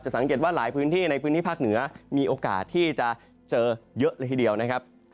สังเกตว่าหลายพื้นที่ในพื้นที่ภาคเหนือมีโอกาสที่จะเจอเยอะเลยทีเดียวนะครับ